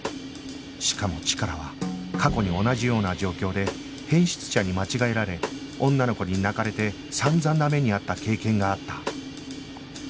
しかもチカラは過去に同じような状況で変質者に間違えられ女の子に泣かれて散々な目に遭った経験があった